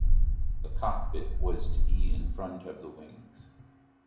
The cockpit was to be in front of the wings.